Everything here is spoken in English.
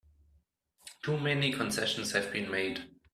Too many concessions have been made!